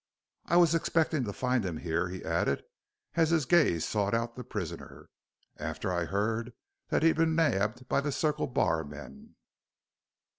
"I was expecting to find him here," he added as his gaze sought out the prisoner, "after I heard that he'd been nabbed by the Circle Bar men."